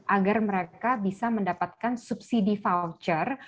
agar mereka bisa mendapatkan subsidi voucher